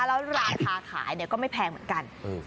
แล้วราคาขายก็ไม่แพงเหมือนกัน